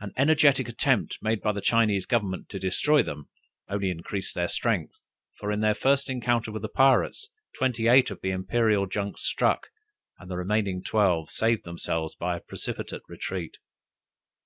An energetic attempt made by the Chinese government to destroy them, only increased their strength; for in their first encounter with the pirates, twenty eight of the Imperial junks struck, and the remaining twelve saved themselves, by a precipitate retreat.